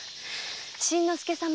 新之助様